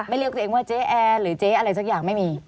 เรียกตัวเองว่าเจ๊แอร์หรือเจ๊อะไรสักอย่างไม่มี